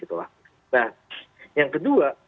nah yang kedua